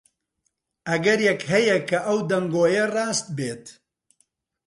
ئەگەرێک هەیە کە ئەو دەنگۆیە ڕاست بێت.